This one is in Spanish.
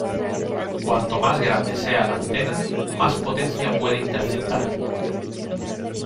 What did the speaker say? Cuanto más grande sea la antena, más potencia puede interceptar.